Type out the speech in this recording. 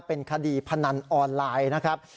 เป็นคดีพนันออนไลน์นะครับ